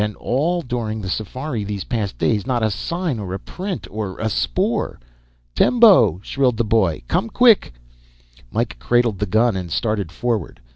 And all during the safari these past days, not a sign or a print or a spoor. "Tembo!" shrilled the boy. "Come quick!" Mike cradled the gun and started forward.